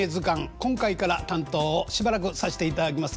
今回から担当をしばらくさせていただきます